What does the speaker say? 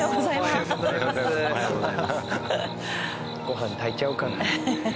ご飯炊いちゃおうかな。